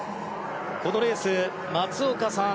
このレース、松岡さん